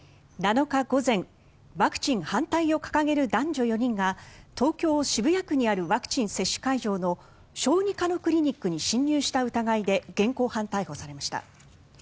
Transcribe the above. ７日午前、ワクチン反対を掲げる男女４人が東京・渋谷区にあるワクチン接種会場の小児科のクリニックに侵入した疑いで現行犯逮捕されました。